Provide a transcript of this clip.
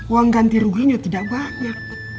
uang ganti ruginya tidak banyak